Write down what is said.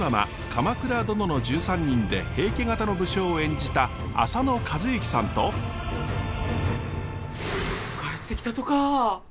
「鎌倉殿の１３人」で平家方の武将を演じた帰ってきたとかぁ！